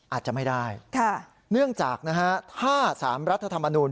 อาจจะไม่ได้เนื่องจากนะฮะถ้า๓รัฐธรรมนูล